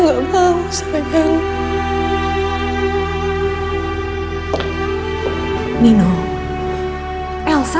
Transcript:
dia udah budgets sih